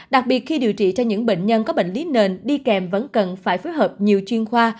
đặc biệt khi điều trị cho những bệnh nhân có bệnh lý nền đi kèm vẫn cần phải phối hợp nhiều chuyên khoa